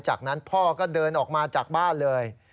จากนั้นพ่อก็เดินออกมาจากบ้านเลย